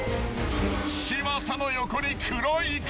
［嶋佐の横に黒い影］